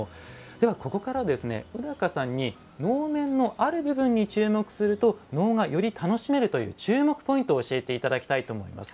ここから、宇高さんに能面のある部分に注目すると能がより楽しめるという注目ポイントを教えていただきたいと思います。